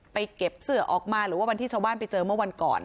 เก็บเสื้อออกมาหรือว่าวันที่ชาวบ้านไปเจอเมื่อวันก่อน